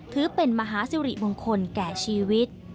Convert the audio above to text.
ถือเป็นมหาสิริมงคลแก่ชีวิต